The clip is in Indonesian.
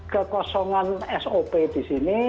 kekosongan sop di sini